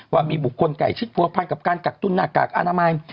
ว่ามีบุคคลไก่ชิดผัวพันกับการกักตุ้นหน้ากากอนามัย